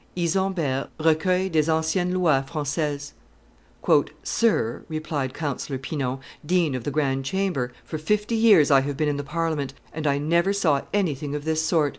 [Isambert, Recueil des anciennes Lois Francaises, t. xvi.] "Sir," replied Counsellor Pinon, dean of the grand chamber, "for fifty years I have been in the Parliament, and I never saw anything of this sort; M.